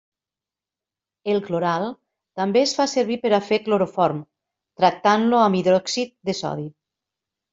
El cloral també es fa servir per a fer cloroform tractant-lo amb hidròxid de sodi.